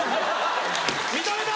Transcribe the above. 認めた！